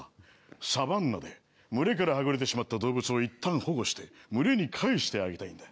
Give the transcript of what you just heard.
サバンナで群れからはぐれてしまった動物をいったん保護して群れに返してあげたいんだ。